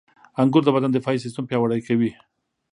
• انګور د بدن دفاعي سیستم پیاوړی کوي.